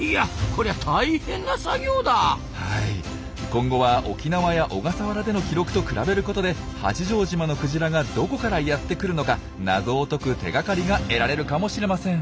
今後は沖縄や小笠原での記録と比べることで八丈島のクジラがどこからやって来るのか謎を解く手がかりが得られるかもしれません。